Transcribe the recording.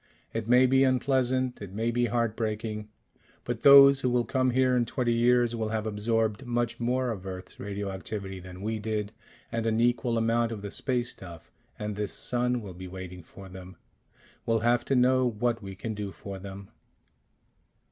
It may be unpleasant. It may be heart breaking. But those who will come here in twenty years will have absorbed much more of Earth's radioactivity than we did, and an equal amount of the space stuff, and this sun will be waiting for them.... We'll have to know what we can do for them."